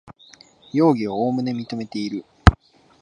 容疑をおおむね認めている